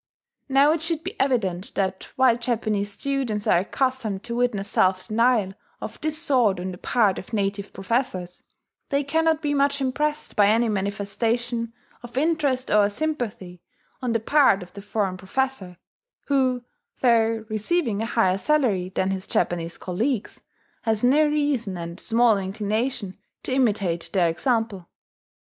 Now it should be evident that while Japanese students are accustomed to witness self denial of this sort on the part of native professors, they cannot be much impressed by any manifestation of interest or sympathy on the part of the foreign professor, who, though receiving a higher salary than his Japanese colleagues, has no reason and small inclination to imitate their example.